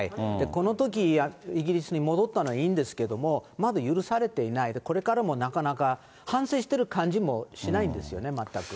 このときイギリスに戻ったのはいいんですけど、まだ許されていない、これからもなかなか反省してる感じもしないんですよね、全く。